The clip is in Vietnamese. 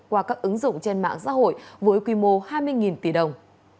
qua các ứng dụng trên mạng xã hội với quy mô hai mươi tỷ đồng